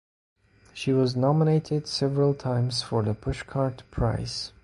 She was nominated several times for the Pushcart prize.